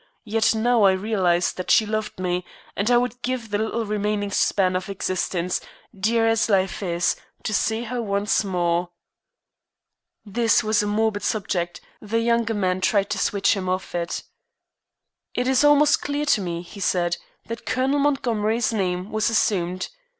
Yet I now realize that she loved me, and I would give the little remaining span of existence, dear as life is, to see her once more." This was a morbid subject; the younger man tried to switch him off it. "It is almost clear to me," he said, "that Colonel Montgomery's name was assumed.